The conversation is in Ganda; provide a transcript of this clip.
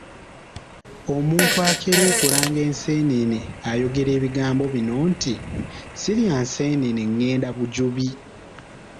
Omuntu akeera okulanga enseenene ayogera ebigambo bino nti: ‘Sirya nseenene ngenda Bujubi’